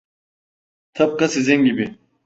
Tıpkı sizin gibi.